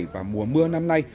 và mùa mưa năm nay